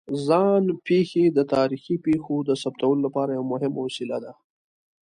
ځان پېښې د تاریخي پېښو د ثبتولو لپاره یوه مهمه وسیله ده.